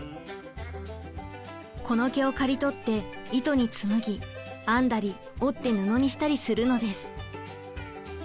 この毛を刈り取って糸に紡ぎ編んだり織って布にしたりするのです。